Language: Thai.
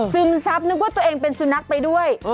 ซึมซับนึกว่าตัวเองเป็นสุนัขไปด้วย